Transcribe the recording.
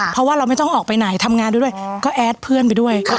เพราะว่าเราไม่ต้องออกไปไหนทำงานด้วยก็แอดเพื่อนไปด้วย